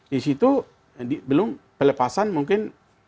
di situ belum pelepasan mungkin